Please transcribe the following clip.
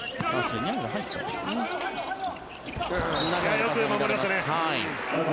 よく守りましたね。